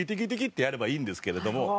やればいいんですけれども。